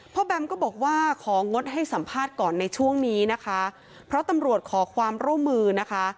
แบมก็บอกว่าของงดให้สัมภาษณ์ก่อนในช่วงนี้นะคะเพราะตำรวจขอความร่วมมือนะคะ